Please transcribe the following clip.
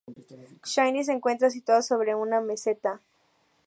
Shanxi se encuentra situada sobre una meseta.